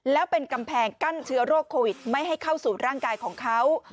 แล้วเป็นกำแพงกั้นเชื้อโรคโควิดไม่ให้เข้าสู่ร่างกายของเขา